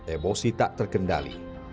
emosi tak terkendali